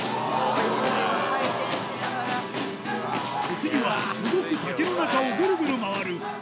お次は動く竹の中をグルグル回る